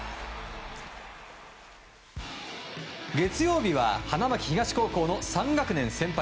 月曜日は花巻東高校の３学年先輩